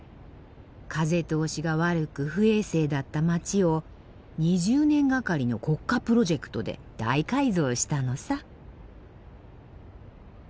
風通しが悪く不衛生だった街を２０年がかりの国家プロジェクトで大改造したのさ。